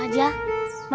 mau gak tuh mak